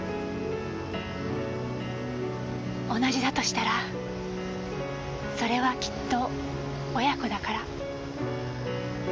同じだとしたらそれはきっと親子だから。